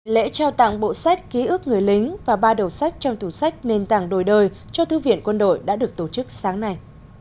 lễ trao tặng bộ sách ký ức người lính và ba đầu sách trong thủ sách nền tảng đổi đời cho thư viện quân đội đã được tổ chức sáng nay